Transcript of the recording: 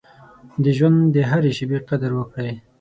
د ژوند د هرې شېبې قدر وکړئ.